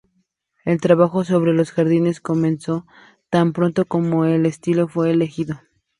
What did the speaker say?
El trabajo sobre los jardines comenzó tan pronto como el sitio fue elegido.